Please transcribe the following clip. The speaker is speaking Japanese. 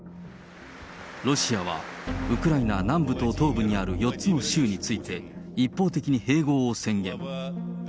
ロシアはウクライナ南部と東部にある４つの州について、一方的に併合を宣言。